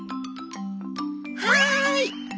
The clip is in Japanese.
はい！